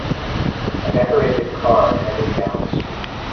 A decorated car headed down the street.